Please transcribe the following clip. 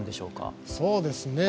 そうですね。